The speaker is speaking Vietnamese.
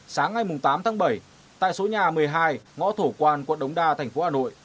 sáng ngày tám tháng bảy tại số nhà một mươi hai ngõ thổ quan quận đống đa thành phố hà nội